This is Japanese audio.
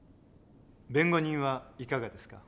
弁護人はいかがですか？